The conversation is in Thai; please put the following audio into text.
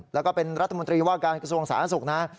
แล้วก็เป็นรัฐมนตรีว่าการกระทรวงศาลนักศึกษ์นะ